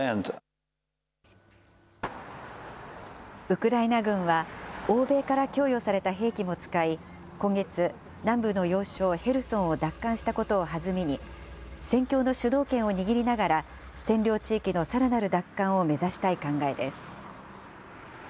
ウクライナ軍は、欧米から供与された兵器も使い、今月、南部の要衝ヘルソンを奪還したことを弾みに、戦況の主導権を握りながら、占領地域のさらなる奪還を目指したい考えです。